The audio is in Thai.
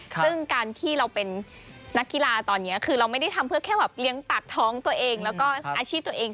ซึ่งการที่เราเป็นนักกีฬาตอนนี้คือเราไม่ได้ทำเพื่อแค่แบบเลี้ยงปากท้องตัวเองแล้วก็อาชีพตัวเอง